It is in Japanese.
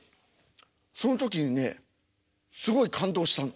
その時にねすごい感動したの。